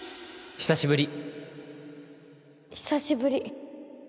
久しぶり